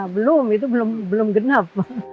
belum itu belum genap